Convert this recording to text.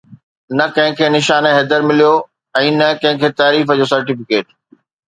نه ڪنهن کي نشان حيدر مليو ۽ نه ڪنهن کي تعريف جو سرٽيفڪيٽ